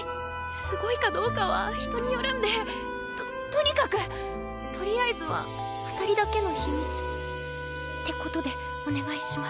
すごいかどうかは人によるんで。ととにかくとりあえずは２人だけの秘密って事でお願いします。